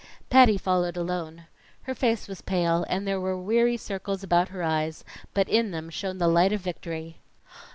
Patty followed alone. Her face was pale, and there were weary circles about her eyes, but in them shone the light of victory.